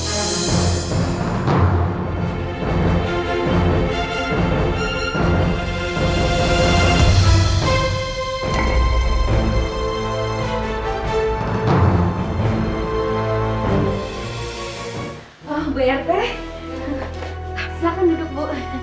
oh bu rt silahkan duduk bu